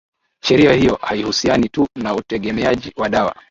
sheria hiyo haihusiani tu na utegemeaji wa dawa